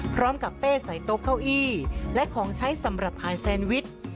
เป้ใส่โต๊ะเก้าอี้และของใช้สำหรับขายแซนวิช